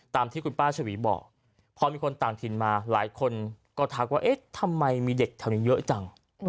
ตามที่คุณป้าชวีบอกพอมีคนต่างถิ่นมาหลายคนก็ทักว่าเอ๊ะทำไมมีเด็กแถวนี้เยอะจัง